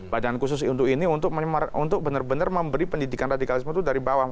badan khusus untuk ini untuk benar benar memberi pendidikan radikalisme itu dari bawah